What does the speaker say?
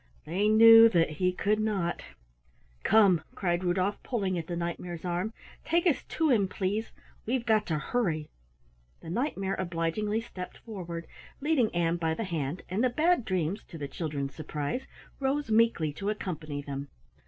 They knew that he could not. "Come," cried Rudolf, pulling at the Knight mare's arm. "Take us to him, please. We've got to hurry." The Knight mare obligingly stepped forward, leading Ann by the hand, and the Bad Dreams to the children's surprise rose meekly to accompany them.